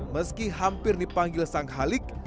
meski hampir dipanggil sang halik